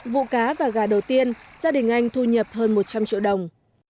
vụ cá và gà đầu tiên gia đình anh thu nhập hơn một trăm linh triệu đồng